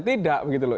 tidak begitu loh